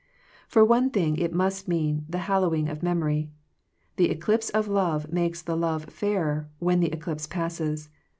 For one thing it must mean the hallow ing of memory. The eclipse of love makes the love fairer when the eclipse passes.